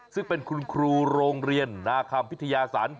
ซึ่งเป็นคุณครูโรงเรียนนาคัมพิทยาศร